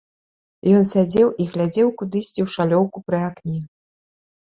Ён сядзеў і глядзеў кудысьці ў шалёўку пры акне.